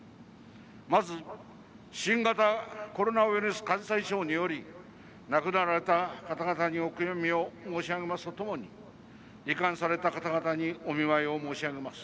まず新型コロナウイルス感染症により亡くなられた方々にお悔やみを申し上げますとともにり患された方々にお見舞いを申し上げます。